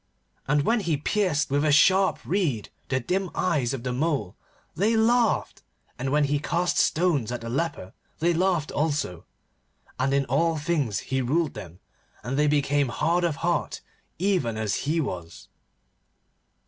And when he pierced with a sharp reed the dim eyes of the mole, they laughed, and when he cast stones at the leper they laughed also. And in all things he ruled them, and they became hard of heart even as he was.